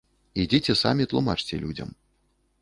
Ідзіце самі тлумачце людзям.